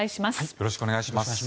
よろしくお願いします。